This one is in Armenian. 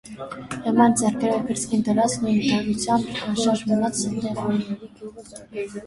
Էմման ձեռքը կրծքին դրած նույն դրությամբ անշարժ մնաց տեղում.